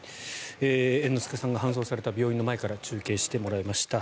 猿之助さんが搬送された病院の前から中継してもらいました。